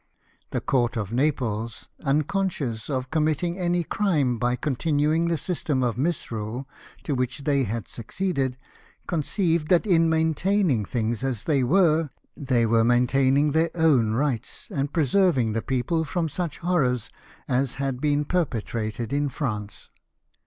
The Court of Naples, unconscious of com mitting any crime by continuing the system of mis rule to which they had succeeded, conceived that in maintaining things as they were they were maintain ing their own rights, and preserving the people from such horrors as had been perpetrated in France.